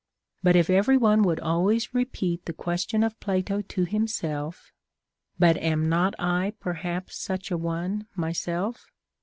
But if every one would always repeat the question of Plato to himself. But am not I perhaps such a one myself?